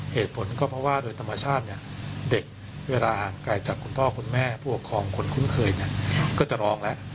เหตุผลก็เพราะว่าโดยธรรมชาติเนี่ยเด็กเวลาห่างไกลจากคุณพ่อคุณแม่ผู้ปกครองคนคุ้นเคยเนี่ยก็จะร้องแล้ว